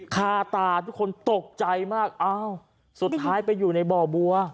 คาตาทุกคนตกใจมากอ้าวสุดท้ายไปอยู่ในบ่อบัว